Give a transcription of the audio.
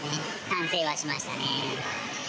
反省はしましたね。